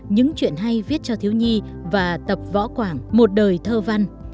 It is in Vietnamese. những chuyện hay viết cho thiếu nhi và tập võ quảng một đời thơ văn